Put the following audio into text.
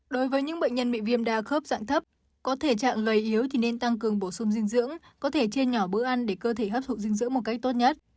đối với những bệnh nhân bị viêm đa khớp dạng thấp có thể trạng lời yếu thì nên tăng cường bổ sung dinh dưỡng có thể chia nhỏ bữa ăn để cơ thể hấp thụ dinh dưỡng một cách tốt nhất